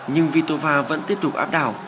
nhưng vitova vẫn tiếp tục áp đảo